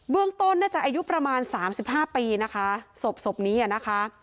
เบื้องต้นน่าจะอายุประมาณ๓๕ปีนะคะศพนี้นะคะ